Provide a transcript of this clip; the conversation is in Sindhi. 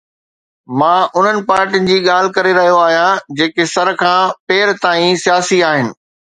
مان انهن پارٽين جي ڳالهه ڪري رهيو آهيان جيڪي سر کان پير تائين سياسي آهن.